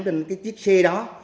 trên chiếc xe đó